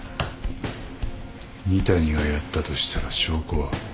仁谷がやったとしたら証拠は？